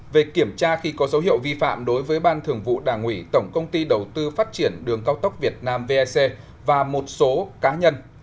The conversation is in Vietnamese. một về kiểm tra khi có dấu hiệu vi phạm đối với ban thường vụ đảng ủy tổng công ty đầu tư phát triển đường cao tốc việt nam vec và một số cá nhân